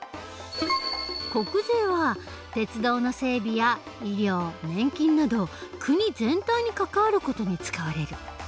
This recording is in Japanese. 国税は鉄道の整備や医療年金など国全体に関わる事に使われる。